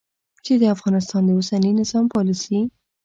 چې د افغانستان د اوسني نظام پالیسي